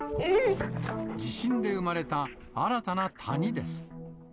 地震で生まれた新たな谷です。